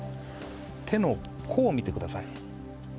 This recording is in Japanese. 手の甲を見てください。